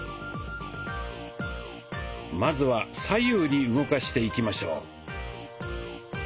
まずは左右に動かしていきましょう。